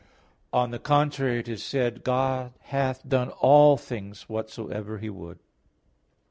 On the contrary, It is said (Ps. 113:11): "God hath done all things, whatsoever He would."